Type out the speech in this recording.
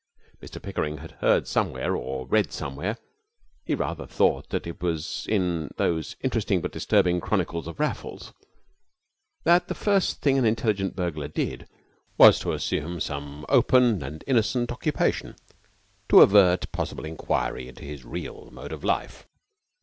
Mr Pickering had heard somewhere or read somewhere he rather thought that it was in those interesting but disturbing chronicles of Raffles that the first thing an intelligent burglar did was to assume some open and innocent occupation to avert possible inquiry into his real mode of life.